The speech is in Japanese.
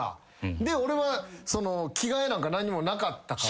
で俺は着替えなんか何にもなかったから。